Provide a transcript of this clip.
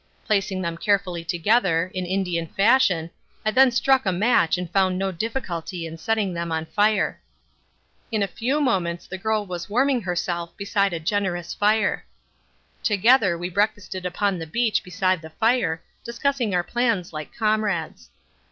Placing them carefully together, in Indian fashion, I then struck a match and found no difficulty in setting them on fire. In a few moments the girl was warming herself beside a generous fire. Together we breakfasted upon the beach beside the fire, discussing our plans like comrades.